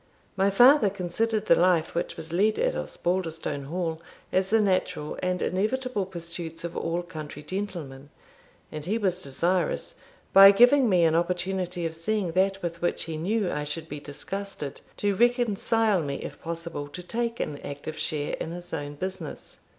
My father considered the life which was led at Osbaldistone Hall as the natural and inevitable pursuits of all country gentlemen, and he was desirous, by giving me an opportunity of seeing that with which he knew I should be disgusted, to reconcile me, if possible, to take an active share in his own business.